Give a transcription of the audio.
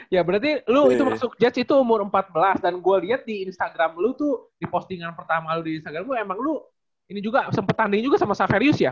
ya berarti lu itu masuk judge itu umur empat belas dan gue liat di instagram lu tuh di postingan pertama lo di instagram lo emang lu ini juga sempat tanding juga sama saverius ya